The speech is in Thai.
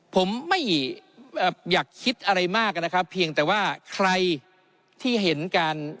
ผมไม่อยากคิดอะไรมากนะครับเพียงแต่ว่าใครที่เห็นการ